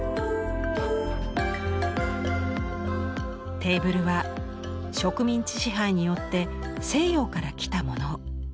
テーブルは植民地支配によって西洋から来たもの。